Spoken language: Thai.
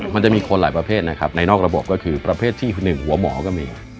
มันจะมีคนหลายประเภทนะครับในนอกระบบก็คือประเภทที่๑หัวหมอก็มี